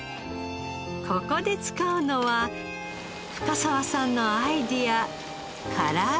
ここで使うのは深澤さんのアイデアから揚げです。